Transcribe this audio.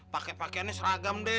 pakai pakaiannya seragam deh